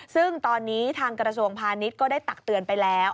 ซึ่งตอนนี้ทางกระทรวงพาณิชย์ก็ได้ตักเตือนไปแล้ว